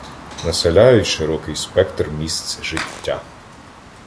Населяють широкий спектр місць життя.